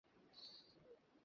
এটা পড়ে নে।